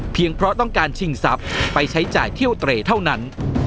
เพราะต้องการชิงทรัพย์ไปใช้จ่ายเที่ยวเตรเท่านั้น